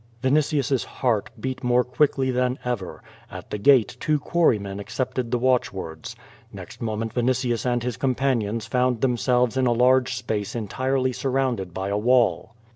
Vinitius's heart beat more quickly than ever. At the gate two quarrymen accepted the watchwords. Next moment Vin itius and his companions found themselves in a large space entirely surrounded by a wall.